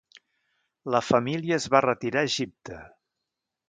La família es va retirar a Egipte.